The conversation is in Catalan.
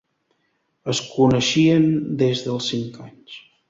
Es coneixien des dels cinc anys.